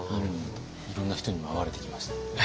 いろんな人にも会われてきました？